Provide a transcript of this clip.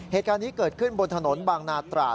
เหตุการณ์นี้เกิดขึ้นบนถนนบางนาตราด